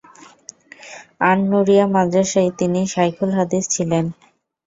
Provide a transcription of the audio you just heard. আন নূরিয়া মাদ্রাসায় তিনি শায়খুল হাদীস ছিলেন।